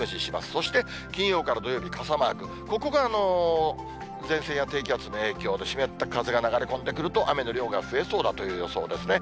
そして金曜から土曜日、傘マーク、ここが前線や低気圧の影響で湿った風が流れ込んでくると雨の量が増えそうだという予想ですね。